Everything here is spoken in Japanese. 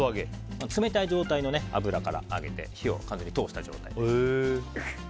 冷たい状態の油から揚げて火をかけて通した状態です。